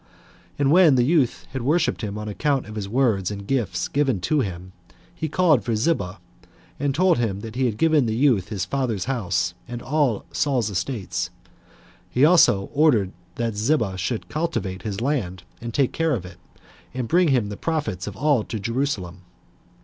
And when the youth had worshipped him on account of his words and gifts given to him, he called for Ziba, and told him that he had given the youth his father's house, and all Saul's estate. He also ordered that Ziba should cultivate his land, and take care of it, and bring him the profits of all to Jerusalem.